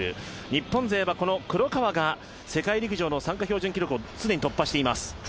日本勢は黒川が世界陸上の参加標準記録を既に突破しています。